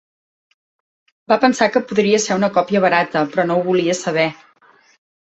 Va pensar que podria ser una còpia barata, però no ho volia saber.